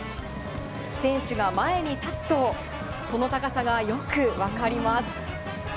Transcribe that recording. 選手が前に立つとその高さがよく分かります。